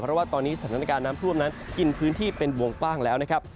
เพราะว่าตอนนี้สถานการณ์น้ำท่วมนั้นกินพื้นที่เป็นวงกว้างแล้วนะครับ